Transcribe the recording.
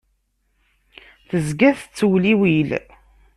Tezga tettewliwil.